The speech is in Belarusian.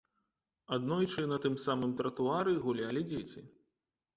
Аднойчы на тым самым тратуары гулялі дзеці.